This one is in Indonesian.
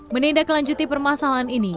menindaklanjuti permasalahan ini